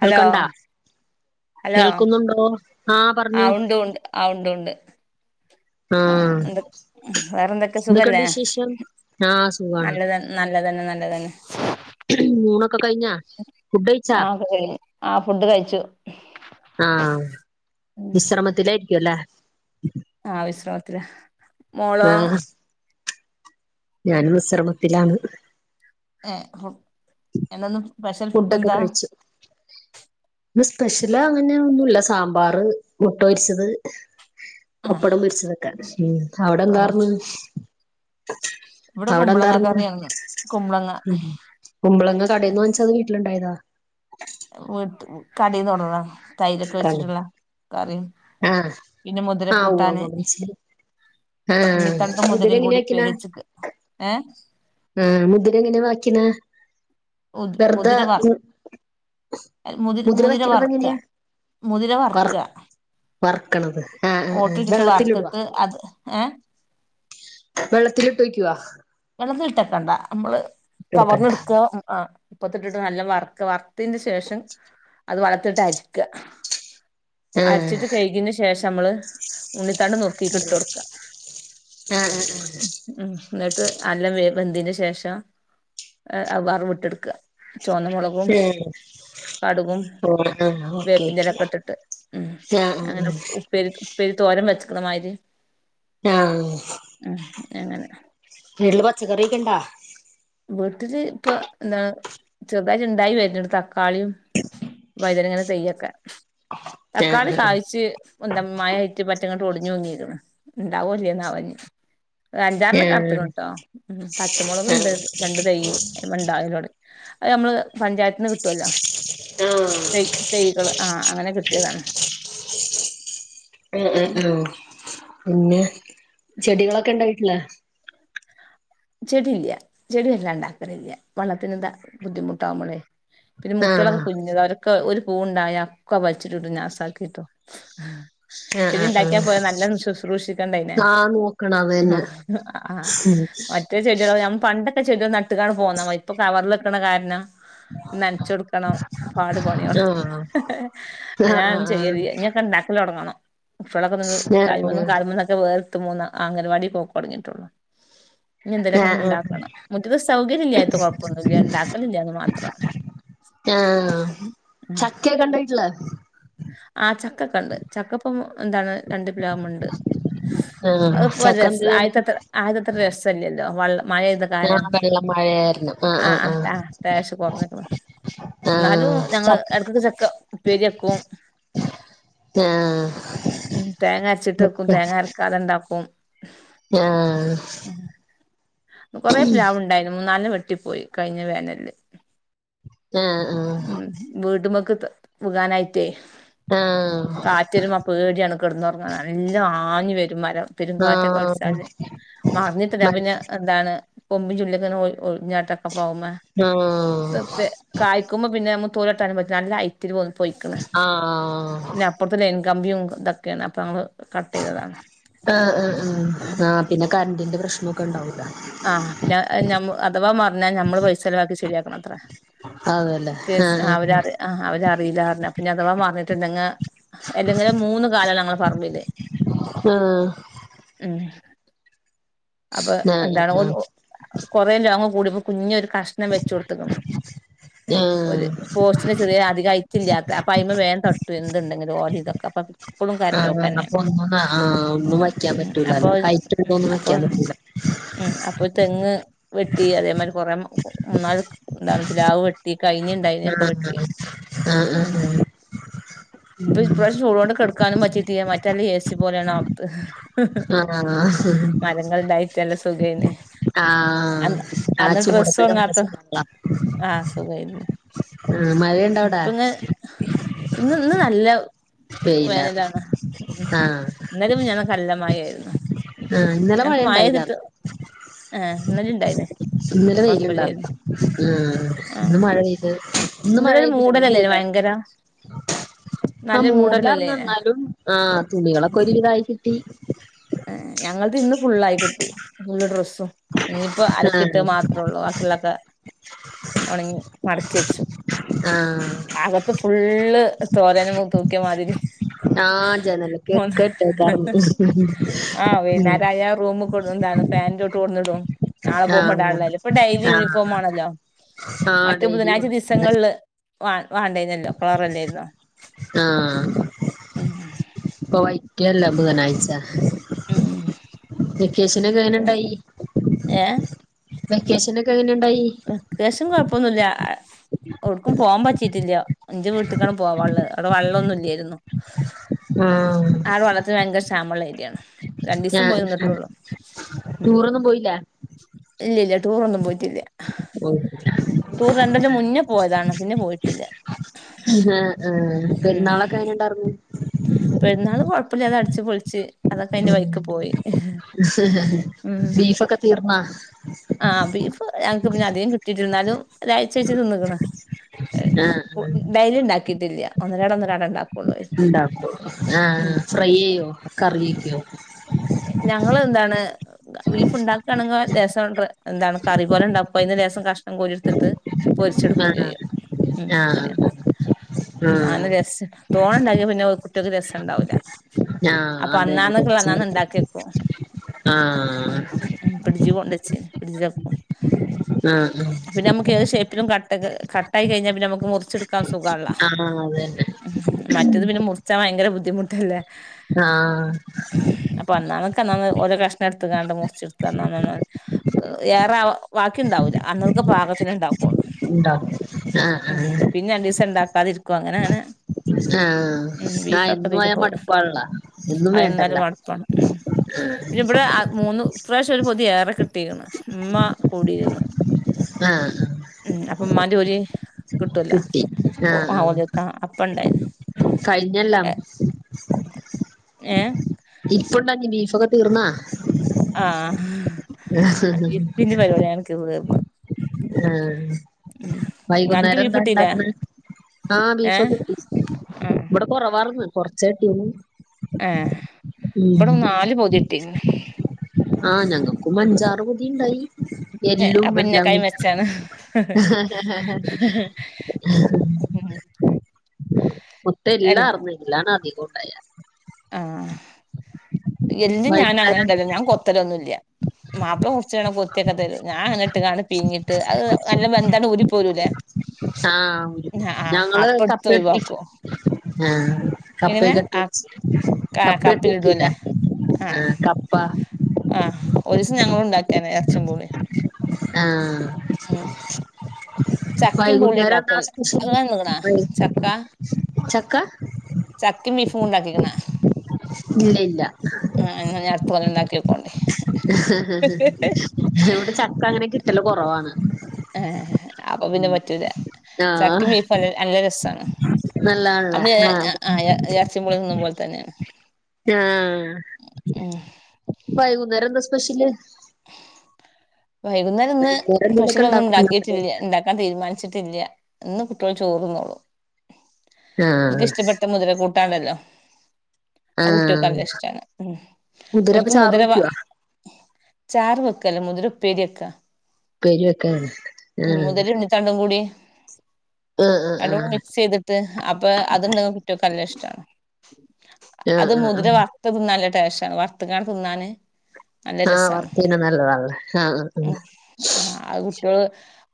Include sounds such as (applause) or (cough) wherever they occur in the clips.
Hello കേൾക്കണ്ടാ hello കേൾക്കുന്നുണ്ടോ ആ പറഞ്ഞോ ഉണ്ട് ഉണ്ട് ആ ഉണ്ട് ഉണ്ട് ആ വേറെന്തൊക്കെ എന്തക്കണ്ട് സുഖല്ലേ വിശേഷം ആ സുഖാണ് നല്ലത നല്ലതന്നെ നല്ലതന്നെ ഊണൊക്കെ കഴിഞ്ഞാ ഫുഡയ്ച്ചാ ആ ആ ഫുഡ് കഴിച്ചു ആ വിശ്രമത്തിലയ് കില്ലേ ആഹ് വിശ്രമത്തില മോളോ ആഹ് ഞാനും വിശ്രമത്തിലാണ് ഏ എന്നെന്നും ഫുഡൊക്കെ കഴിച്ചു സ്പെഷ്യല് അങ്ങനെ ഒന്നുല്ല സാമ്പാറ് മുട്ടൊരിച്ചത് ആ പപ്പടം പൊരിച്ചതെക്കാൻ ഉം അവിടെ ഇപ്പള എന്താർന്ന് കുറച്ച് ഇവിടെ അവിടെ കുമ്പളങ്ങ എന്താർന്ന് കറിയാനിന്ന് കുമ്പളങ്ങ ഉം കുമ്പളങ്ങ കടേന്ന് വാങ്ങിച്ചോ അതോ വീട്ടിലുണ്ടായതാ. (unintelligible) തൈരൊക്കെ കട വെച്ചിട്ടുള്ള കറിയും. ആഹ് പിന്നെ മുതിര ആഹ് ഉവ്വ കൂട്ടാന് ഉവ്വ മനസ്സിലായി ആഹ് ഉണ്ണിതണ്ടും മുതിര മുതിരയും കൂടി (unintelligible) ഏ. ആ മുതിര എങ്ങനെ ബാക്കിന്ന. മുതിരവർ മുതിര വയ്ക്കണത് വർക്ക എങ്ങനെയാ മുതിര വർക്ക. വർക്കണത്. (unintelligible) ഇട്ട് വറത്തിട്ട് അത് ഏ. വെള്ളത്തില് ഇട്ട് വയ്ക്കുവോ വെള്ളത്തില് ഇട്ടക്കണ്ട നമ്മള് ഇട്ട് കവർന്ന് വെക്കണ്ട ഇട്ക്കാ ആ ടുപ്പത്തിട്ടിട്ട് നല്ല വർത്ത് വർത്ത് ത്തിൻ്റെ ശേഷം. അത് വള്ളത്ത് ട്ട് അര് ക്കാ ആഹ് അരച്ചിട്ട് കഴകിയേന് ശേഷം. നമ്മള്. ഉണ്ണി തണ്ട് നുർക്കി അയ്ക്ക് ഇട്ടു കൊടുക്ക ആഹ് ആഹ് ഉം ഇന്നെ ത്ത് നല്ല വേവ് വെന്തിന് ശേഷം എ അഅ് വറവ് ഇട്ടെടുക്കാ ചുവന്നമുളകും, ആഹ് കടുകും, ആഹ് ഓക്കെ വേപ്പിന്റെ ഓക്കെ ഇലക്കെ ആഹ് ഇട്ടിട്ട് ഉം ആഹ് അങ്ങനെ ഉപ്പേരി ഉപ്പേരി തോരൻ വെച്ച്. ഇന്നമായിരി ആഹ് എങ്ങനെ. വീട്ടില് പച്ചക്കറിയൊക്കെ ഇണ്ടാ. വീട്ടില് ഇപ്പൊ എന്താണ് ചെറുതായിട്ട് ഇണ്ടായി വര്ന്ണ്ട് തക്കാളിം, വഴുതനങ്ങടെ തയ് ഒക്കെ. ആഹ് ആഹ് ആഹ് തക്കാളി കായ്ച്ച്. എന്ത മഴയായ്റ്റ് പറ്റെ ഇങ്ങട്ട് ഒടിഞ്ഞ് തുങ്ങീക്ക് ണ് ഇണ്ടാവോ ചെയ്യുന്ന വം ഞ്ഞ് ഒര് ആഹ് അഞ്ചാറണ്ണംക്കറുത്ത്ക്ണ് ട്ടോ ഉം പച്ചമുളക് ഉണ്ട്. രണ്ട് തൈയ് അയ്‌മ്മണ്ടാവല് (unintelligible) അ യമ്മള്. പഞ്ചായത്തിന്ന് കിട്ടുല്ലോ. ആഹ് ആഹ് തെയ് തെയ്കള് ആ അങ്ങനെ കിട്ടിയതാണ്. ആഹ് പിന്നെ. ചെടികളൊക്കെ ഇണ്ടോ വീട്ടില്. ചെടി ഇല്ല ചെടി വല്ലാതെ ഉണ്ടാക്കലില്ല. വള്ളത്തിന് ന്താ ബുദ്ധിമുട്ടാവുംമ്പ ളേ പിന്നെ മുട്ട ആഹ് (unintelligible) കുഞ്ഞ (unintelligible) ക്കെ ഒരു പൂണ്ടായ ഒക്കെ വൽച്ചിട്ട്ട്ടും നാസാക്കിട്ടും ആഹ് ചെടി ആഹ് ഇണ്ടാക്കിയാ ആഹ് പോരാ നല്ലണം ശുശ്രൂഷിക്കണ്ടേ അയ്നെ ആഹ് നോക്കണം അത് തന്നെ ആ മറ്റേ ചെടികള് ഞാൻ പണ്ട (unintelligible) ചെടി നട്ടുകാണ് പോന്ന ഇപ്പൊ കവറിനിൽക്കണ (unintelligible) നനച്ചൊടുക്കണം പാട് പണി കള് ആഹ് ആഹ് ആഹ് ഞാനും ആഹ് ചെയ്യല് ഞാൻ ഉണ്ടാക്കല് തുടങ്ങണം (unintelligible) ആഹ് മൂന്ന് അങ്ങനവാടി പോക്ക് തുടങ്ങിട്ടുള്ളൂ ഇനി എന്തേലൊക്കെ ആഹ് ആഹ് ഉണ്ടാക്കണം (unintelligible) മുറ്റത്ത് സൗകര്യം ഇല്ലായി കൊഴപ്പൊന്നുല്ല ഉണ്ടാക്കലില്ല എന്ന് മാത്രം ആഹ് ചക്കയൊക്കെ ഇണ്ടോ വീട്ടില് ആ ചക്കക്കെണ്ട് ചക്ക ഇപ്പം ന്താണ് രണ്ട് പിലാവ്മ്മെണ്ട് ആഹ് അതിപ്പോ ചക്ക എന്ത് രസ് ചെയ്യണ് ആയ്തത്രെ ആയ്തത്രെ രസല്ലത് വള്ളം മഴെയ്ത കാലം ആഹ് വെള്ളം മഴയായിരുന്നു ആഹ് ആ ആഹ് ആ ടേസ്റ്റ് ആഹ് കോർഞ്ഞ്ക്ക്ണ്ഴന്നാലും ആഹ് ഞങ്ങള് ചക്ക എട്ക്കൊക്കെ ചക്ക ഉപ്പേര്യെക്കും ആഹ് ഉം തേങ്ങരച്ചിട്ട് എക്കും ചക്ക തേങ്ങ അരക്കാതെ ഇണ്ടാക്കും (inaudible) ആഹ് കുറേ പ്ലാവ്ണ്ടായിനു മൂന്നാലെണ്ണം വെട്ടിപ്പോയി കഴിഞ്ഞ വേനലില് ആഹ് ഉം വീടുമ്മക്ക് ത് വുഗാനായിറ്റെ കാറ്റ് വര്മ്പോ പേട്യാണ് കെടന്നൊർങ്ങാന് നല്ലോം ആഞ് വരും മരം പെരുങ്കാറ്റൊക്കെ അടിച്ചാല് മറിഞ്ഞിട്ടില്ല പിന്നെ എന്താണ് കൊമ്പും ചുള്ളി ഒക്കെനെ (unintelligible) (unintelligible) (unintelligible) നല്ല ഹൈറ്റ്ല് (unintelligible) പോയിക്ക്ണ് ആഹ് ആഹ് പിന്നെ അപ്പുറത്തല കമ്പിയും ഇതൊക്കെയാണ് അപ്പം നമ്മൾ ആ ആ ഉം ആ ആ പിന്നെ കരണ്ടിന്റെ പ്രശ്നൊക്കെ ഉണ്ടാവൂല്ല ആ പിന്നെ ഞമ്മു അഥവാ മറിഞ്ഞാ ഞമ്മള് പൈസലവാക്കി ശരിയാക്കണം അത്രെ അതല്ലേ കേസ് ആ ആഹ് അവര് അറി ആ അവരറിയില്ലാറ്ഞ് അ പിന്നെ അഥവാ മറിഞ്ഞിട്ട് ഉണ്ടെങേ അല്ലെങ്കിലും മൂന്ന് കാലാണ് ഞങ്ങളെ പറമ്പില് ഉ ആഹ് അപ ആഹ് എന്താണ് ആഹ് ഒന്ന് ഒ കൊറേ (unintelligible) കൂടുമ്പോ കുഞ്ഞൊര് കഷ്ണം വെച്ച കൊട്ത്തിക്കിണ് ആഹ് ഒരു പോസ്റ്റിന് ചെറ്യേ അധികൈറ്റില്ല്യാത്തെ അപ്പയ്മ വേം ത എന്തിണ്ടെങ്കിലു ഓലി ഇതക്കെ പ്പം ആ അപ്പൊ ഒന്നും ആ ഒന്നും ഉം വയ്ക്കാൻ ഉം അപ്പൊ പറ്റൂലാല്ല ഹൈറ്റ് ഒ ഒന്നും വയ്ക്കാൻ പറ്റൂല ഉ അപ്പൊ തെങ്ങ് വെട്ടി അതേമാരി കൊറേ മൂന്നാല് എന്താണ് പിലാവ് വെട്ടി കയ്ഞ്ഞിണ്ടായിനി ഒക്കെ ആഹ് വെട്ടി ഉം ആഹ് ഇപ്പൊ ഇപ്രാശ്യം ചൂടു കെട് ക്കാനും പറ്റീട്ടിയെ മറ്റെല്ലേസി പോല്യാണ് ഔത്ത് ആഹ് മരങ്ങൾണ്ടായി നല്ല സുഖേനി ആഹ് ആ ചൂടത്തൊക്കെ നല്ല ഒണങ്ങാത്ത സുഖ ആ ആഹ് സുഖായിരുന്നു മഴയുണ്ട അവിടാ ഇപ്പങ്ങ് ഇന്ന് ഇന്ന് നല്ല വെയിലാർന്നു വേനലാണ് ആഹ് ഇന്നലിം മിഞ്ഞാന്നൊ കല്ലമായായിരുന്നു ആഹ ഇന്നലെ മഴയണ്ടായില ആ ഇന്നാല ഉണ്ടായിന്നേ ഇന്നല വെയിലുണ്ടായിരുന്നു ഇന്ന് ആഹ് മഴ പെയ്ത് ഇന്ന് ഇന്നലെ ഒരു മഴെയ്തില്ല ഇ മൂടലല്ലേനോ വെയയിലായി ഭയങ്കര ആ നല്ലൊരു മൂടലല്ലേനോ മൂടലറന്ന്ന്നാലും ആ തുണികളൊക്കെ ഒരുവിധായി കിട്ടി ഞങ്ങത് ഇന്ന് ഫുുള്ളായി കിട്ടി ഫുള്ള് ഡ്രസ്സും ഇഞ്ഞിപ്പോ മാത്രമുള്ള ആഹ് അലക്കിട്ട മാത്രേ ഉള്ളൂ ബാക്കിയുള്ളൊക്കെ ഉണങ്ങി മടക്കി വെച്ചു ആഹ് ആകത്ത് ഫ ള്ള് തോരന് മ തൂക്കിയ മാതിരി ആഹ ജന്നല്ല കേെട്ട കറ ആ വെകുന്നേരം അയാ റൂമ് കൊടന്നിടും ഫാനിന്റെ ചേവട്ടിൽ കൊണ്ടിടം നാളെ ആഹ് പോകുമ്പോണ്ടാളല്ല ഇപ്പൊ ഡെലി ആഹ് യൂണിഫോം ആണല്ലോ ആഹ് മറ്റ ഡെയിലി ബുധനാഴ്ച യൂണിഫോം ദിവസങ്ങളില് വൺ വേണ്ടുന്നല്ലോ കറല്ലോയിരുന്നോ ആഹ് ഉ കേല് ബുധനാഴ്ച (unintelligible) വെക്കേഷൻ ഒക്കെ എങ്ങനെ ഉണ്ടായി വെക്കേഷൻ ഒക്കെ എങ്ങനെ, വെക്കേഷൻകൊഴപ്പൊന്നുല്ല ഓടുക്കും പോവാൻ പറ്റിട്ടില്ല ന്റെ വീട്ടക്കാണ് പോവാള്ളത് അവിടെ വെള്ളന്നും ഇല്ലായിരുന്നു ആഹ് ആടെ വള്ളത്തിന് ഭയങ്കര ക്ഷാമുള്ള ഏരിയാണ് ഞാ രണ്ടിസം പോയി നിന്നിട്ടുള്ളു ഉം ടൂറൊന്നും പോയില്ല ഇല്ലില്ല ടൂർ ഒന്നും പോയിട്ടില്ല ആഹ് ടൂർ രണ്ടൊല്ലം മുന്നേ പോയതാണ് പിന്നെ പോയിട്ടില്ല ആഹ് ഉം പെരുന്നാളൊക്കെ എങ്ങനെണ്ടാരുന്നു ച്ച് പൊളിച്ച് അതൊക്കെ അയിന്റെ ഉം വഴിക്ക് പോയി ബീഫൊക്കെ തീർന്നാ ആഹ് ബീഫ് ഞങ്ങക്ക് പിന്നെ അധികം കിട്ടിട്ടിണ്ടാരുന്നു ഒരാഴ്ച്ച ച്ച് തിന്നക്ക്ണ് ആഹ് ഡയ്ലി ഉണ്ടാ കിട്ടില്ല ഒന്നരാടം ഒന്നരാടം ണ്ടാക്കും ഉണ്ടാക്കോ ആഹ് ഫ്രൈ ചെയ്യോ കറിയൊക്കുവോ ഞങ്ങള് ന്താണ് ബീഫ് ഉണ്ടാക്കണെങ്കിൽ ലെസം എന്താണ് കറി പോലെ ണ്ടാക്കുംഅയിന്ന് ലെസം കഷ്ണം കോരി എടുത്തിട്ട് പൊരിച്ചെടുക്കും ആഹ് ചെയ്യും ഉം ആഹ് അങ്ങനെയാ ഉം ആഹ് നല്ല ടെസ്റ്റ്‌ണ്ടാ തോണെണ്ടങ്കിൽ പിന്നെ കുട്ടികൾക്ക് രസണ്ടാവൂല ആ അതന്നെ കുറച്ച്ഇങ്ങട്ട് കേക്കും ഉം ഉം ഫ്രിഡ്ജി കൊണ്ടേ ച്ച് ഫ്രിഡ്ജ് വെക്കും ആ ആ കട്ട കട്ടായി കയിഞ്ഞാ നമുക്ക് മുറിച്ചെടുക്കാസു സുഖണല്ലോ ആഹ് അതന്നെ മറ്റത് പിന്നെ മുറിച്ചാൻ ഭയങ്കര ബുദ്ധിമുട്ടല്ലേ? ആഹ് (unintelligible) ഓലക്കഷ് എടുത്ത് കാണ്ട് മുറിച്ചെടുത്ത (unintelligible) ഏറെ ബാക്കിണ്ടാവൂല അന്നക്കെ പാകത്തിണ്ടാവും ഉണ്ടാക്കും ആഹ് ഉം ആഹ് പിന്നെ രണ്ടീസണ്ടാക്കാതിരി ക്കും അങ്ങനെങ്ങനെ ആഹ് ആ എന്നും ഇതില് ആയാ പോയി മടുപ്പാണല്ലോ എന്നും അതെന്നാലും വേണ്ടല്ലോ മടുപ്പാണ് ഉം പിന്നെ ഇവിടെ ആ മൂന്നു ഇപ്രാശ്യം ഒരു പൊതി ഏറെ കിട്ടിയിക്കണ് ഉമ്മ കൂടിയിരുന്നു ആഹ് ഉം അപ്പം ഇമ്മാന്റെ ഓരി കിട്ടുവല്ലോ കിട്ടി ഓ ആ ആഹ് ഓലത്ത അപ്പ ഉണ്ടായിരുന്നു ആ കഴിഞ്ഞല്ലാം ഏഹ് ബീഫൊക്കെ തീർന്നോ ആഹ് ബീഫിൻ്റെ പരിപാടി അങ്ങനെ തീർന്ന് തീർന്ന്. ആഹ് അനക്ക് വൈകുന്നേരം ബീഫ് എന്താ കിട്ടീല്ലേ ഉണ്ടാക്കണെ ആഹ് ഏഹ് ബീഫൊക്കെ കിട്ടി ഇവിടെ കൊറവാരുന്ന് കുറച്ചേ കിട്ടിയുള്ളൂ ആഹ് ഉം ഇവിടെ നാല് പൊതി കിട്ടി ആഹ് ഞങ്ങൾക്കും അഞ്ചാറു പൊതി ഉണ്ടായി അപ്പൊ എന്നേക്കായും മെച്ചാ ണ് മൊത്തം എല്ലാരുന്നു എല്ലാണ് അധികവും (unintelligible) (unintelligible) എല്ല് ഞാൻ അങ്ങനെ ഇടലാ ഞാൻ കൊത്തലൊന്നും ഇല്ല മാപ്പള കൊറച്ചേരം കൊത്തിയൊക്കെ തരും ഞാൻ അങ്ങനെട്ട്ങ്ങാണ്ട് പിഴിഞ്ഞിട്ട് അത് നല്ല വെന്തണ് ഊരി പോരൂല്ലേ ആഹ് ഒരു ആ ഞങ്ങള് അപ്പടുത്ത് കപ്പ ഇട്ട് വെക്കും ഒഴിവാക്കും ആഹ് എങ്ങനെ കപ്പയൊക്കെ ഇട്ട് ആഹ് വെച്ച് ആ കപ്പ ഇട്ട് വെക്കൂലെ കപ്പിലിടുവല്ലെ ആഹ് കപ്പ ആഹ് ഒരു ദിവസം ഞങ്ങളും ഉണ്ടാക്കിനീ ഇറച്ചീം പൂളേം ആഹ് ഉം ചക്കേം പൂളേം വൈകുന്നേരം എന്താ ഉണ്ടാക്കോല്ലോ സ്പെഷ്യല് അത്ങ്ങള് കണ്ടുക്കണോ ചക്ക ചക്ക ചക്കേം ബീഫും ഉണ്ടാക്കീക്ക്ണോ ഇല്ല ഇല്ല (unintelligible) ഇവിടെ ചക്ക അങ്ങനെ കിട്ടല് കൊറ കുറവാണ് ആഹ അപ്പൊ പിന്നെ പറ്റൂല്ല ആഹ് ചക്കേം ബീഫും നല്ല രസമാണ് നല്ലാണല്ലേ അന്നു ആഹ് ഇറച്ചിം പൂളേം തിന്നപോലെ തന്നെയാണ് ആഹ് ഉം വൈകുന്നേരം എന്താ സ്പെഷ്യല് വൈകുന്നേരം ഇന്നു വൈകുന്നേരം സ്പെഷ്യൽ എന്തേലൊക്കെ ഒന്നും ഇണ്ടാക്കുണ്ടോ ഉണ്ടാക്കിയിട്ടില്ല ഉണ്ടാക്കാൻ തീരുമാനിച്ചിട്ടില്ല്യ ഇന്നു കുട്ടികൾ ചോറ് തിന്നോളും എക്ക് ആഹ് ഇഷ്ടപ്പെട്ട മുതിര കൂ കൂട്ടാനുണ്ടല്ലോ അത് കുട്ടികൾക്ക് ആഹ് നല്ല ഇഷ്ടമാണ് മുതിരപ്പ അവർക്ക് ചാറ് മുതിര വെക്കുവോ ചാറ് വെക്കുവല്ല മുതിര ഉപ്പേരി വെയ്ക്ക ഉപ്പേരി വെക്കാനാണ് ആഹ് ഉണ്ണിത്തണ്ടും കൂടി ആഹ് ആഹ് രണ്ടും കൂടാ ആഹ് മിക്സ് ചെയ്തിട്ട് അപ്പൊ (unintelligible) കുട്ടിയോക്ക് നല്ല ഇഷ്ടമാണ് അത് ആഹ് ആഹ് മുതിര ആഹ് വർത്തത് നല്ല (unintelligible) വർത്ത്ക്കാ തിന്നാന് നല്ല ആഹ് രസാണ് വർത്ത് തിന്നാൻ നല്ലതാള്ളേ ആഹ് ആ ആ ആ കുട്ടികള്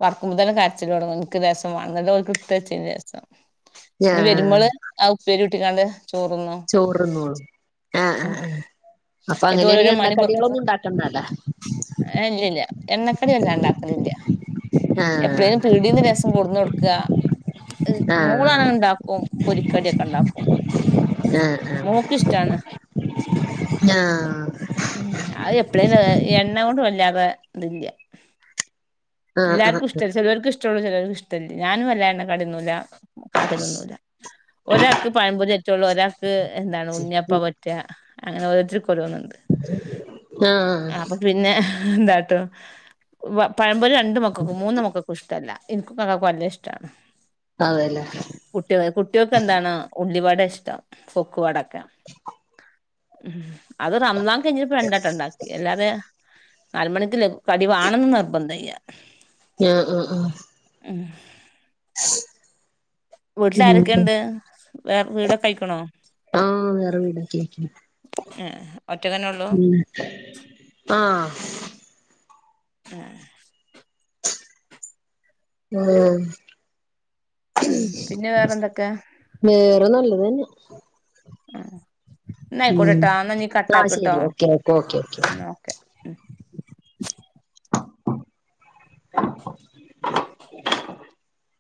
വറക്കുമ്പോ തന്നെ കരച്ചില് തുടങ്ങും എനിക്ക് രസം (unintelligible) (unintelligible) (unintelligible) രസം ആഹ് ഇനി വരുമ്പോള് ഉപ്പേരി (unintelligible) (unintelligible) ആ ആ അപ്പൊ ഇതുപോലോരോ അങ്ങനെയാണങ്കി മണി പൊറുപ്പിച്ച് എണ്ണക്കടികളൊന്നും ഉണ്ടാക്കണ്ട കേട്ടാ എണ്ണ (unintelligible) ഉണ്ടാക്കലില്ല ആഹ് എപ്പോഴേലും പീടിന്ന് രസം (unintelligible) (unintelligible) ക മോളാണ് ആഹ് ഉണ്ടാക്കും പൊരികടീക്ക ഉണ്ടാക്കും ആഹ് ആഹ് മോക്കിഷ്ടാണ് ആഹ് ഉം അത് (unintelligible) എണ്ണകൊണ്ട് വല്ലാതെ ഇതില്ല്യ ആഹ് ആഹ് എല്ലാർക്കുംഷ്ട ചേലോർക്ക് (unintelligible) ചേലോർക്ക് ഞാനും വല്ല എണ്ണ (unintelligible) കാക്ക ഇതൊന്നുമില്ല ഒരാൾക്ക് പഴമ്പൊരി പറ്റുള്ളൂ ഒരാൾക്ക് എന്താണ് ഉണ്ണിയപ്പ പറ്റാ അങ്ങനാ (unintelligible) (unintelligible) ആഹ് അപ്പൊ പിന്നെ എന്താട്ടോ പഴമ്പോരി രണ്ട് മക്കക്കും മൂന്ന് മക്കക്കും ഇഷ്ടാല്ല (unintelligible) വല്ല്യ ഇഷ്ടാ അതെല്ലേ കുട്ടികള് കുട്ടികൾക്കെന്താണ് ഉള്ളിവട ഇഷ്ടാ പൊക്കുവടേക്കെ ഉം അത് (unintelligible) പണ്ടായിട്ട ഉണ്ടാക്കി അല്ലാതെ അര മണിക്ക് (unintelligible) കടിവാണെന്ന് നിർബന്ധം (unintelligible) ആ ആ ആ ഉം ഉം വീട്ടിലാരൊക്കെയുണ്ട് വേറെ വീടൊക്കെ ആയിക്കണോ ആ വേറെ വീടാക്കി ഏഹ് ഒറ്റക്കന്നെ ഉള്ളൂ മ് ആ ആ ആഹ് ഉം പിന്നെ വേറെന്തൊക്കെ വേറെ നല്ല അത് തന്നെ ആ ഉം ആ ശരി ഓക്കെ ഓക്കേ ഓക്കെ മൂ (inaudible)